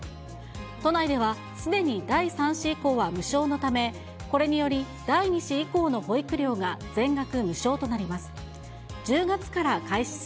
都内では、すでに第３子以降は無償のため、これにより、第２子以降の保育料が全額無償となります。